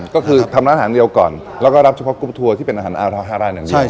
ก็คือทำร้านอาหารเดียวก่อนแล้วก็รับเฉพาะกรุ๊ปทัวร์ที่เป็นอาหารอาท้อฮารานอย่างเดียว